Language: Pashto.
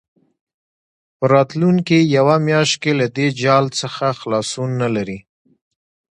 په راتلونکې یوه میاشت کې له دې جال څخه خلاصون نه لري.